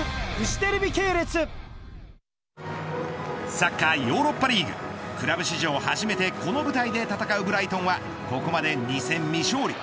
サッカーヨーロッパリーグクラブ史上初めてこの舞台で戦うブライトンはここまで２戦未勝利。